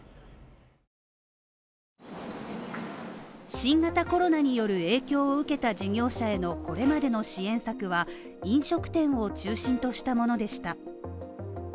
新型コロナによる影響を受けた事業者へのこれまでの支援策は飲食店を中心としたものでした。